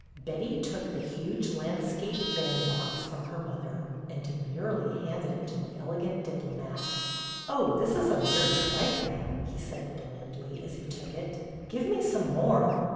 Betty took the huge landscape bandbox from her mother and demurely handed it to the elegant diplomat. "Oh, this is a mere trifle," he said blandly, as he took it. "Give me some more."